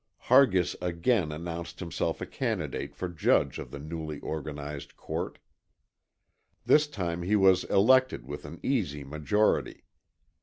Hargis again announced himself a candidate for judge of the newly organized court. This time he was elected with an easy majority.